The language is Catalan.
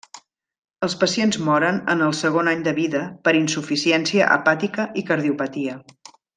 Els pacients moren en el segon any de vida per insuficiència hepàtica i cardiopatia.